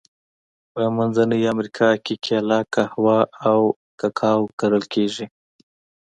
په منځنۍ امریکا کې کېله، قهوه او کاکاو کرل کیږي.